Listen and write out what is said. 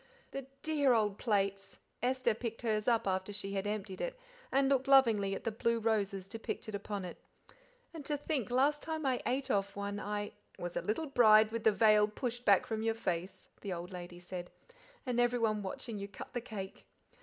"The dear old plates!" Esther picked hers up after she had emptied it and looked lovingly at the blue roses depicted upon it. "And to think last time l ate off one I " "Was a little bride with the veil pushed back from your face," the old lady said, "and everyone watching you cut the cake.